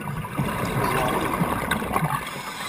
Neẓẓar-it.